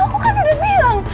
bakal kita dibilang